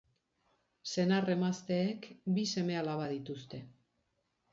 Senar-emazteek bi seme-alaba dituzte.